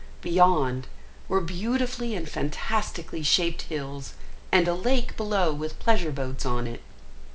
Beyond, were beautifully and fantastically shaped hills, and a lake below with pleasure boats on it.